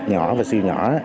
nhỏ và siêu nhỏ